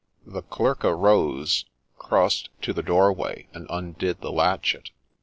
The Clerk arose, crossed to the doorway, and undid the latchet.